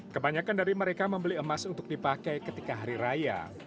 kebanyakan dari mereka membeli emas untuk dipakai ketika hari raya